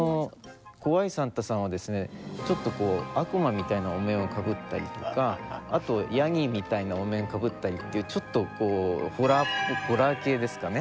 怖いサンタさんはですねちょっと悪魔みたいなお面をかぶったりとかあとヤギみたいなお面かぶったりっていうちょっとこうホラー系ですかね。